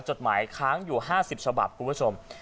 จดหมายค้างอยู่๕๐ฉบับคุณผู้ชม